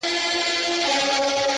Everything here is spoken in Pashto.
وای دی کم عمر کي پوه په راز و نياز دی _